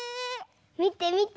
みてみて。